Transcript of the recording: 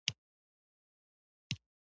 نو پۀ ښايست او ځوانۍ يې عاشقه شوه